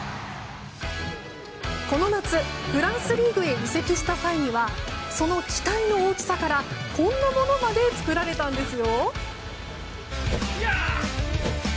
この夏、フランスリーグへ移籍した際にはその期待の大きさからこんなものまで作られたんです。